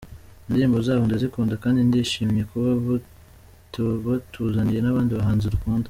Indirimbo zabo ndazikunda kandi nishimiye kuba batuzaniye n’abandi bahanzi dukunda”.